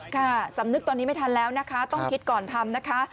ค่ะสำนึกตอนนี้ไม่ทันแล้วนะคะต้องคิดก่อนทำนะคะ